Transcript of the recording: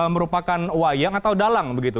merupakan wayang atau dalang begitu